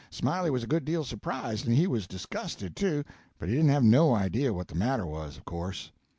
Smiley was a good deal surprised, and he was disgusted, too, but he didn't have no idea what the matter was, of course.